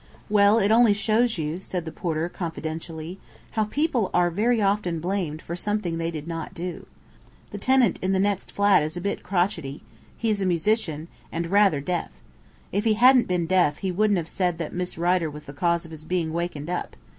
"Well, it only shows you," said the porter confidentially, "how people are very often blamed for something they did not do. The tenant in the next flat is a bit crotchety; he's a musician, and rather deaf. If he hadn't been deaf, he wouldn't have said that Miss Rider was the cause of his being wakened up.